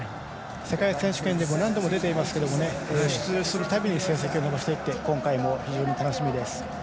世界選手権でも何度も出ていますが出場するたびに成績を残していって非常に楽しみです。